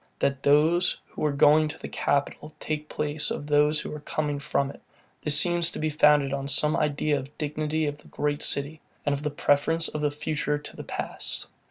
That those who are going to the capital take place of those who are coming from it; this seems to be founded on some idea of dignity of the great city, and of the preference of the future to the past.